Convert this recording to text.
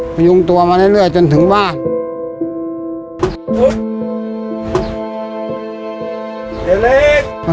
พยุงตัวมาเรื่อยจนถึงบ้าน